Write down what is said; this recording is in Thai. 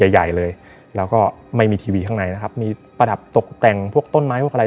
ใหญ่ใหญ่เลยแล้วก็ไม่มีทีวีข้างในนะครับมีประดับตกแต่งพวกต้นไม้พวกอะไร